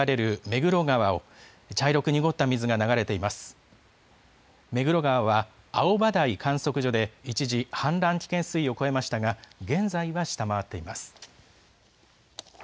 目黒川は、青葉台観測所で一時氾濫危険水位を超えましたが、現在は下回っています。